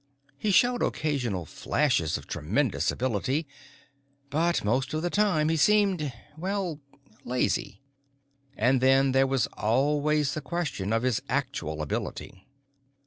He showed occasional flashes of tremendous ability, but most of the time he seemed well, lazy. And then, there was always the question of his actual ability.